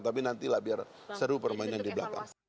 tapi nantilah biar seru permainan di belakang